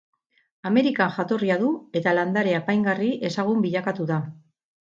Amerikan jatorria du eta landare apaingarri ezagun bilakatu da.